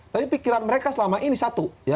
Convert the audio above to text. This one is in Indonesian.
tapi pikiran mereka selama ini satu